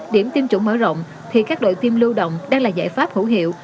điểm tiêm chủng mở rộng thì các đội tiêm lưu động đang là giải pháp hữu hiệu